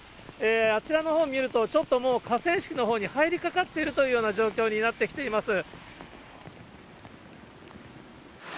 あちらのほうを見ると、ちょっともう、河川敷のほうに入りかかっているといった状況になってきています。